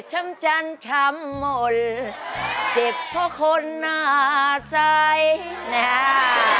มีชำจันทรัมมนต์เจ็บเพราะคนหน้าใสหนา